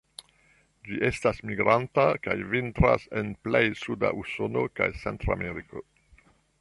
Ĝi estas migranta, kaj vintras en plej suda Usono kaj Centrameriko.